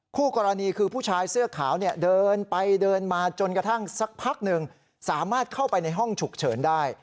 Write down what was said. คู่กรณีคือผู้ชายเสื้อขาวเนี่ยเดินไปเดินมาจนกระทั่งสักพักหนึ่งสามารถเข้าไปในห้องฉุกเฉินได้